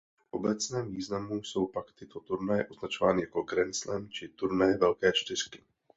V obecném významu jsou pak tyto turnaje označovány jako „grandslam“ či „turnaje velké čtyřky“.